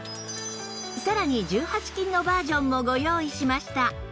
さらに１８金のバージョンもご用意しました